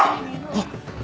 あっ。